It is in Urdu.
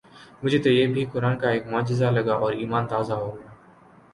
مجھے تو یہ بھی قرآن کا ایک معجزہ لگا اور ایمان تازہ ہوگیا